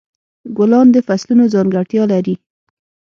ګلان د فصلونو ځانګړتیا لري.